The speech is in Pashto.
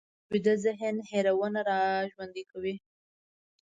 ویده ذهن هېرونه راژوندي کوي